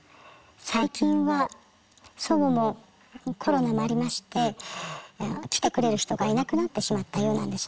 最近は祖母もコロナもありまして来てくれる人がいなくなってしまったようなんですね。